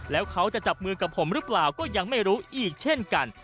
แล้วเขาจะจับมือกับผมหรือเปล่าก็ยังไม่รู้อีกเช่นกัน